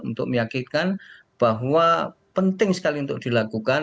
untuk meyakinkan bahwa penting sekali untuk dilakukan